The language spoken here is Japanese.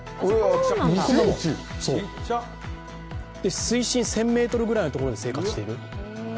水深１０００ｍくらいのところで生活している。